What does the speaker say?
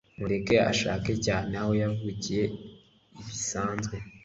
mureke ashake cyane aho yavukiye bisanzwe